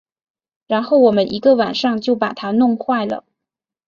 然后我们一个晚上就把它弄坏了